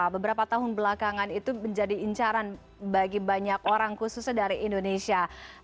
beberapa tahun belakangan itu menjadi incaran bagi banyak orang khususnya dari indonesia